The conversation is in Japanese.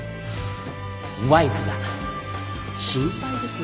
ワイフが心配です。